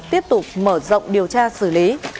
tiếp tục mở rộng điều tra xử lý